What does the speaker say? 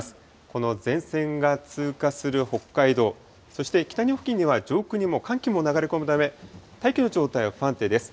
この前線が通過する北海道、そして北日本付近には上空に寒気も流れ込むため、大気の状態は不安定です。